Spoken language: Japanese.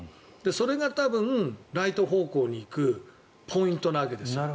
それが多分、ライト方向に行くポイントなわけですよ。